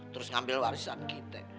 terus ngambil warisan kita